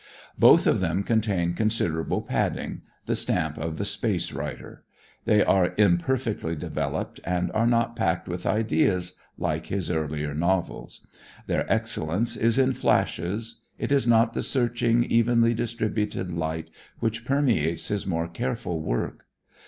Both of them contain considerable padding, the stamp of the space writer. They are imperfectly developed, and are not packed with ideas like his earlier novels. Their excellence is in flashes; it is not the searching, evenly distributed light which permeates his more careful work.